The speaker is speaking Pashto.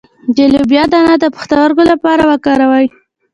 د لوبیا دانه د پښتورګو لپاره وکاروئ